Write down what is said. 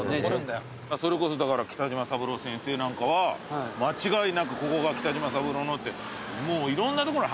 それこそだから北島三郎先生なんかは間違いなくここが北島三郎のってもういろんなとこに。